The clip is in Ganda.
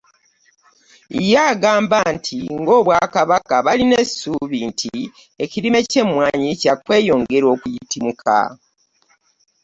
Ye agamba nti ng'Obwakabaka balina essuubi nti ekirime ky'emmwanyi kya kweyongera okuyitimuka